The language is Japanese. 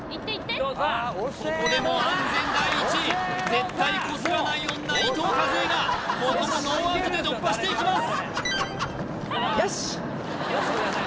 ここでも安全第一絶対こすらない女伊藤かずえがノーアウトで突破していきます